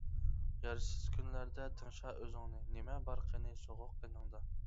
يارسىز كۈنلەردە تىڭشا ئۆزۈڭنى، نېمە بار قېنى سوغۇق قېنىڭدا.